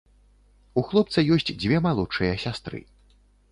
У хлопца ёсць дзве малодшыя сястры.